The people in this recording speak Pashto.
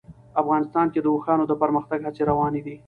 افغانستان کې د اوښانو د پرمختګ هڅې روانې دي.